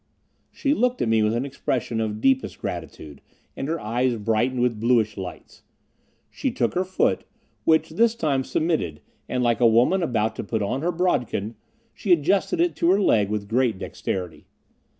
She looked at me with an expression of deepest gratitude, and her eyes brightened with bluish lights. She took her foot, which this time submitted, and, like a woman about to put on her brodekin, she adjusted it to her leg with great dexterity.